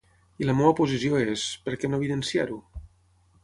I la meva posició és: per què no evidenciar-ho?